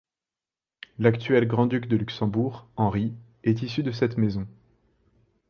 L'actuel grand-duc de Luxembourg, Henri, est issu de cette maison.